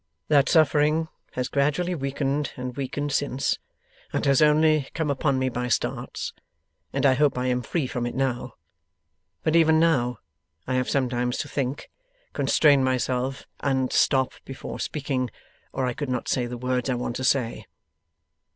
That suffering has gradually weakened and weakened since, and has only come upon me by starts, and I hope I am free from it now; but even now, I have sometimes to think, constrain myself, and stop before speaking, or I could not say the words I want to say.